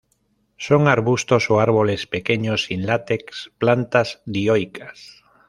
Son arbustos o árboles pequeños, sin látex; plantas dioicas.